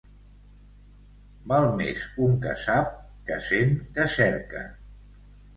Val més un que sap que cent que cerquen.